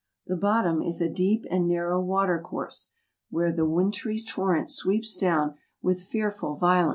The bottom is a deep and narrow watercourse, where the wintry torrent sweeps down with fearful violence.